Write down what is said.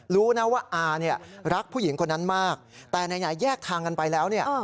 รู้นะว่าอาเนี่ยรักผู้หญิงคนนั้นมากแต่ไหนแยกทางกันไปแล้วเนี่ย